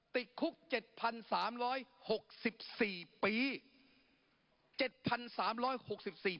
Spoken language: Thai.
ติดคุก๗๓๖๔ปี